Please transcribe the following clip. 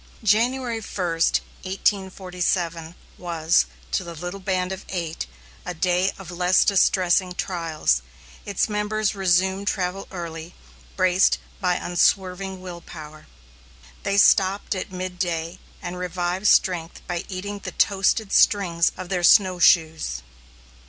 January 1, 1847, was, to the little band of eight, a day of less distressing trials; its members resumed travel early, braced by unswerving will power. They stopped at midday and revived strength by eating the toasted strings of their snowshoes.